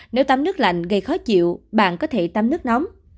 nếu tắm nước lạnh gây khó chịu bạn có thể tắm nước nóng